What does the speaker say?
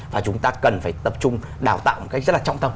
và chúng ta cần phải tập trung đào tạo một cách rất là trọng tâm